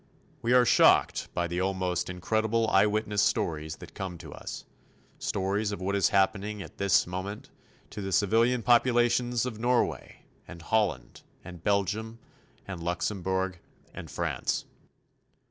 We are shocked by the almost incredible eyewitness stories that come to us, stories of what is happening at this moment to the civilian populations of Norway and Holland and Belgium and Luxembourg and France.